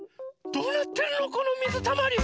どうなってるのこのみずたまり。